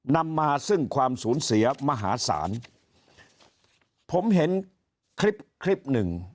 นำมาซึ่งความสูญเสียมหาศาลผมเห็นคลิปคลิปหนึ่ง